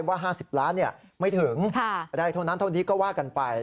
ว่า๕๐ล้านไม่ถึงได้เท่านั้นเท่านี้ก็ว่ากันไป